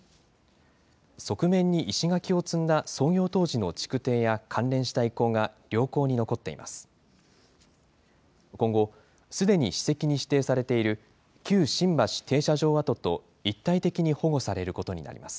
側面に石垣を積んだ創業当時の築堤や関連した遺構が良好に残っています。